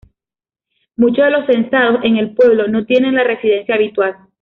Muchos de los censados en el pueblo no tienen la residencia habitual.